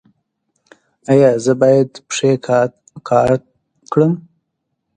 ایا زه باید پښې قات کړم؟